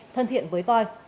thân thiện với voi